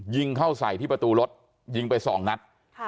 ยิงเข้าใส่ที่ประตูรถยิงไป๒นัด